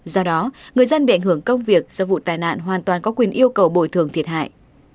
do đó người dân bị ảnh hưởng công việc do vụ tai nạn hoàn toàn có quyền yêu cầu bồi thường thiệt hại